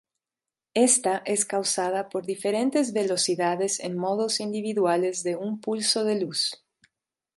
Ésta es causada por diferentes velocidades en modos individuales de un pulso de luz.